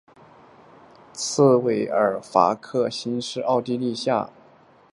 茨韦尔法克兴是奥地利下奥地利州维也纳城郊县的一个市镇。